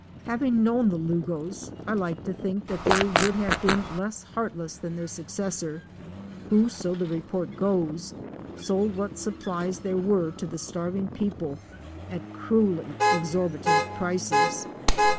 Having known the Lugos, I like to think that they would have been less heartless than their successor, who, so the report goes, sold what supplies there were to the starving people at cruelly exorbitant prices.